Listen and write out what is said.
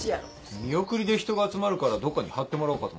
見送りで人が集まるからどっかに張ってもらおうかと思って。